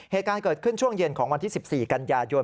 เหตุการณ์เกิดขึ้นช่วงเย็นของวันที่๑๔กันยายน